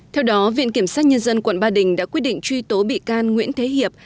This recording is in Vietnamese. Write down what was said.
theo đó viện kiểm sát nhân dân quận ba đình đã quyết định truy tố bị can nguyễn thế hiệp